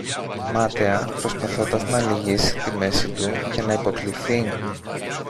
μάταια προσπαθώντας να λυγίσει τη μέση του για να υποκλιθεί.